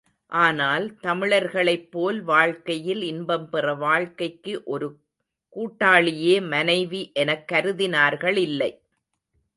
ஆனால் தமிழர்களைப் போல் வாழ்க்கையில் இன்பம் பெற வாழ்க்கைக்கு ஒரு கூட்டாளியே மனைவி எனக் கருதினார்களில்லை.